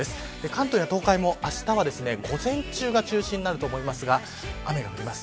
関東や東海も、あしたは午前中が中心になると思いますが雨が降ります。